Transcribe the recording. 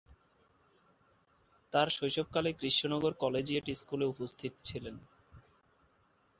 তার শৈশবকালে কৃষ্ণনগর কলেজিয়েট স্কুলে উপস্থিত ছিলেন।